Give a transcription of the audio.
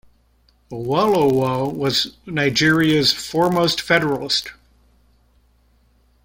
Awolowo was Nigeria's foremost federalist.